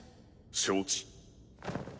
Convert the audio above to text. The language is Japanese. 承知。